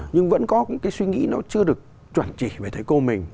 nhưng vẫn có cái suy nghĩ nó chưa được chuẩn trị về thầy cô mình